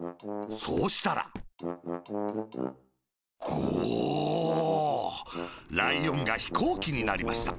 そうしたら「ゴォッ」ライオンがヒコーキになりました。